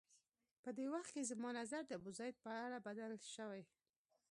په دې وخت کې زما نظر د ابوزید په اړه بدل شوی و.